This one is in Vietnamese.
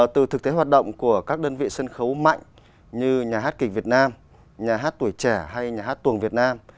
từ thực tế hoạt động của các đơn vị sân khấu mạnh như nhà hát kịch việt nam nhà hát tuổi trẻ hay nhà hát tuồng việt nam